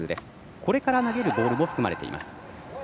これから投げるボールも含まれています。